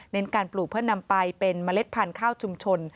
การปลูกเพื่อนำไปเป็นเมล็ดพันธุ์ข้าวชุมชน